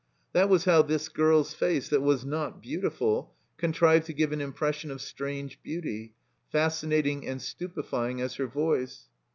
That was how this girl's face, that was not beauti ful, contrived to give an impression of strange beauty, fascinating and stupefying as her voice.